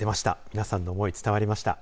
皆さんの思い、伝わりました。